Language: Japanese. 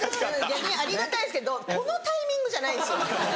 逆にありがたいですけどこのタイミングじゃないですよ。